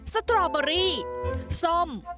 สตรอเบอรี่ส้ม